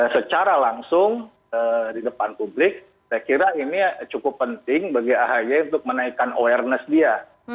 secara langsung di depan publik saya kira ini cukup penting bagi ahy untuk menaikkan awareness dia